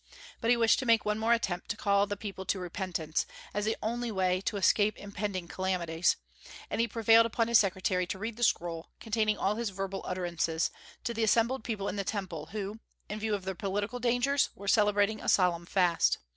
But he wished to make one more attempt to call the people to repentance, as the only way to escape impending calamities; and he prevailed upon his secretary to read the scroll, containing all his verbal utterances, to the assembled people in the Temple, who, in view of their political dangers, were celebrating a solemn fast.